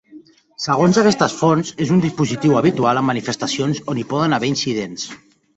Segons aquestes fonts, és un dispositiu habitual en manifestacions on hi poden haver incidents.